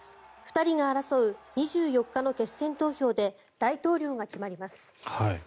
２人が争う２４日の決選投票で大統領が決まります。